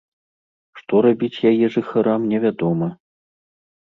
Што рабіць яе жыхарам, невядома.